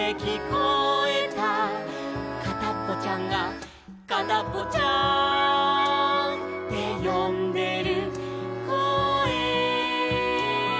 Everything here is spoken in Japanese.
「かたっぽちゃんがかたっぽちゃーんってよんでるこえ」